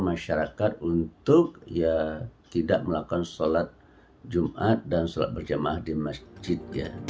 masyarakat untuk ya tidak melakukan sholat jumat dan sholat berjamaah di masjid